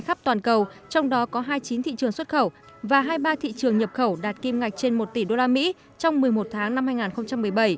khắp toàn cầu trong đó có hai mươi chín thị trường xuất khẩu và hai mươi ba thị trường nhập khẩu đạt kim ngạch trên một tỷ usd trong một mươi một tháng năm hai nghìn một mươi bảy